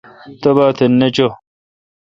تباتھ نہ چو۔